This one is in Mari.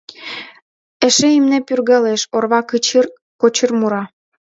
Эше имне пӱргалеш, орва кычыр-кочыр мура.